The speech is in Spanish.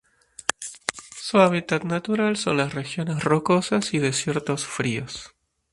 Su hábitat natural son las regiones rocosas y desiertos fríos.